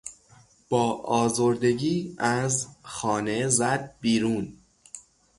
با آزردگی از خانه زد بیرون.